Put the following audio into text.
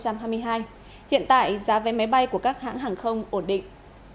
hiện tại giá vé máy bay của các hãng hàng không ổn định